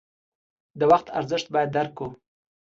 د وخت ارزښت باید درک کړو.